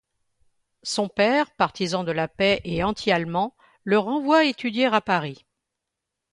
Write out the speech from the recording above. Son père, partisan de la paix et anti-allemand, le renvoie étudier à Paris.